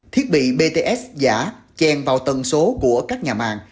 thiết bị bts giả chèn vào tầng số của các nhà mạng